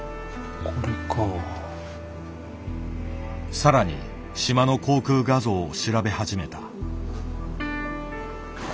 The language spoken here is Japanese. さらに島の航空画像を調べ始めた。